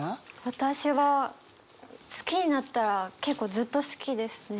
私は好きになったら結構ずっと好きですね。